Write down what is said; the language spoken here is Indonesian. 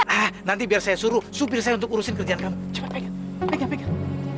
ah nanti biar saya suruh supir saya untuk urusin kerjaan kamu cepat pengen pikir pikir